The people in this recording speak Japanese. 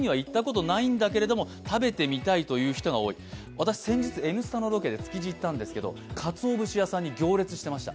私、先日「Ｎスタ」のロケで築地行ったんですけどかつおぶし屋さんに行列してました。